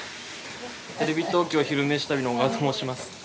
テレビ東京「昼めし旅」の小川と申します。